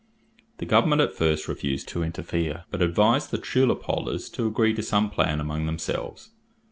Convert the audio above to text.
The government at first refused to interfere, but advised the tulip holders to agree to some plan among themselves.